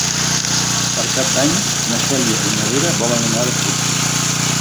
Per Cap d'Any na Cèlia i na Vera volen anar d'excursió.